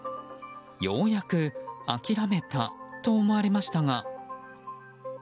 ようやく諦めたと思われましたが。